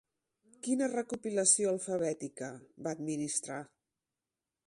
Quina recopilació alfabètica va administrar?